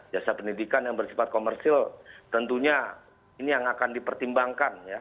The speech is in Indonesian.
jasa pendidikan yang bersifat komersil tentunya ini yang akan dipertimbangkan ya